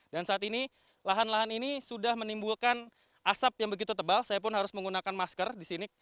dan saat ini lahan lahan ini sudah menimbulkan asap yang begitu tebal saya pun harus menggunakan masker di sini